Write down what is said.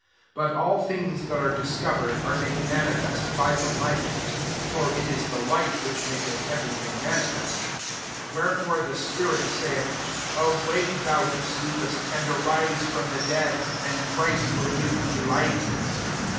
13 But all things that are discovered, are made manifest by the light: (for it is the light which maketh every thing manifest.) 14 Wherefore the 9fiirit ssuth ;" Awake, thou who sleepest, and arise from the dead, and Christ will give thee light.'